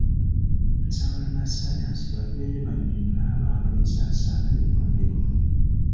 Nsaba bannassaayansi baveeyo bannyonnyole abantu ensaasaana y’obulwadde buno.